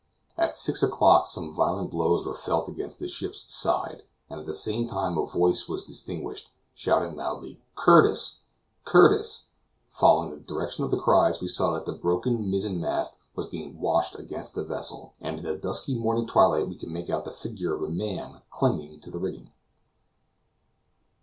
At six o'clock some violent blows were felt against the ship's side, and at the same time a voice was distinguished, shouting loudly, "Curtis! Curtis!" Following the direction of the cries we saw that the broken mizzen mast was being washed against the vessel, and in the dusky morning twilight we could make out the figure of a man clinging to the rigging.